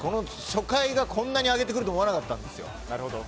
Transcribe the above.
初回がこんなに上げてくると思わなかったんですよ。